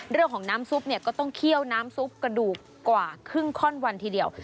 เรื่องของน้ำซุปเนี่ยก็ต้องเคี่ยวน้ำซุปกระดูกกว่าครึ่งข้อนวันทีเดียว